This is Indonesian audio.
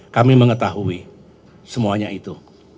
kami mengetahui semuanya itu